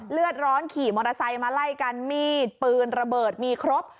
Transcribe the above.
เลือดร้อนขี่มอเตอร์ไซค์มาไล่กันมีดปืนระเบิดมีครบ